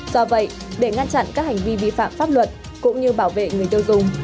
do vậy để ngăn chặn các hành vi vi phạm pháp luật cũng như bảo vệ người tiêu dùng